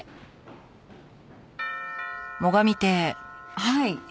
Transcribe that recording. はい。